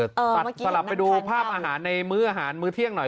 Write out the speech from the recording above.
ได้ไหมเออเอ่อตลับไปดูภาพอาหารในมืออาหารหมือเที่ยงหน่อย